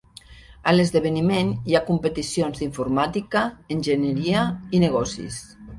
A l'esdeveniment hi ha competicions d'informàtica, enginyeria i negocis.